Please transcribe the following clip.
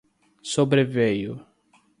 sobreveio